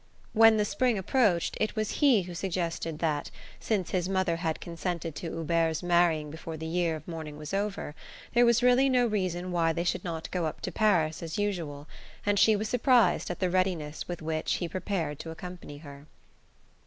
When the spring approached it was he who suggested that, since his mother had consented to Hubert's marrying before the year of mourning was over, there was really no reason why they should not go up to Paris as usual; and she was surprised at the readiness with which he prepared to accompany her.